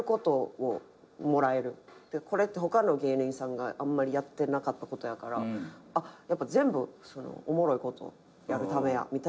これって他の芸人さんがあんまやってなかったことやからやっぱ全部おもろいことをやるためやみたいなのが最近。